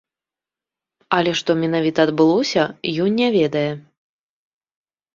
Але што менавіта адбылося, ён не ведае.